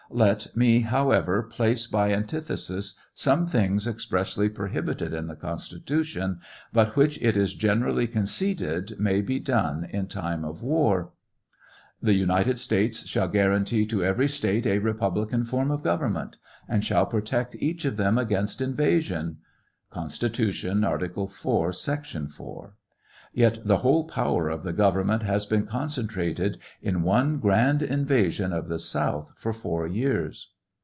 Let me, however, place by antithesis some things expressl; prohibited in the Constitution, but which it is generally conceded maybedou in time of war. " The United States shall guarantee to every State a republican form o government, and shall protect each of them against invasion," (Const Art. IV, Sec. 4;) yet the whole power of the government has been concentrate! in one grand invasion of the south for four years.